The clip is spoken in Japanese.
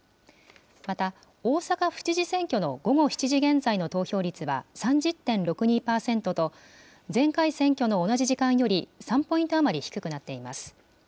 また、大阪府知事選挙の午後７時現在の投票率は３０．６２％と、前回選挙の同じ時間より３ポイント余り低くなっています。